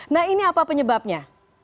nah ini apa penyebabnya